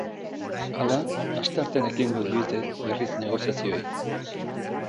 Hala, asteartean ekingo diete berriz negoziazioei.